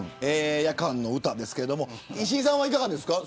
夜間の歌ですけれども石井さんはいかがですか。